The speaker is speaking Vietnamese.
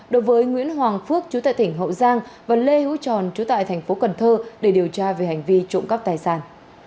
đối với nguyễn hoàng phước chú tại tỉnh hậu giang và lê hữu tròn chú tại thành phố cần thơ để điều tra về hành vi trộm cắp tài sản